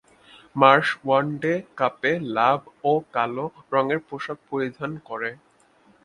Marsh one day কাপে লাভ ও কালো রঙের পোশাক পরিধান করে।